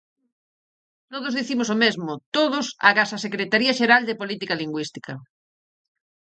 Todos dicimos o mesmo; todos, agás a Secretaría Xeral de Política Lingüística.